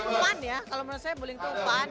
itu fun ya kalau menurut saya bowling itu fun